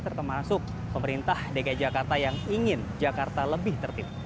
termasuk pemerintah dki jakarta yang ingin jakarta lebih tertib